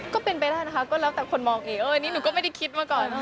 ก็เป็นไปได้นะคะรับแต่คนมองนี้นี่หนูก็ไม่ได้คิดมาก่อน